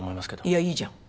いやいいじゃん。